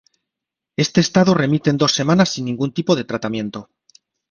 Este estado remite en dos semanas sin ningún tipo de tratamiento.